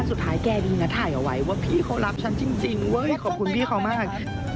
แกดีนะถ่ายเอาไว้ว่าพี่เขารักฉันจริงเว้ยขอบคุณพี่เขามาก